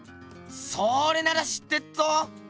それなら知ってっぞ！